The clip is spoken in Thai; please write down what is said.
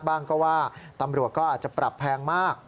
บ้างก็ว่าตำรวจก็อาจจะปรับแพงมาก